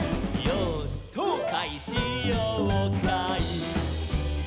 「よーしそうかいしようかい」